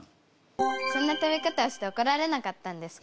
そんな食べ方をして怒られなかったんですか？